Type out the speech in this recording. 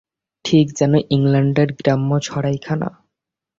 ঠিক যেন ইংল্যান্ডের গ্রাম্য সরাইখানা।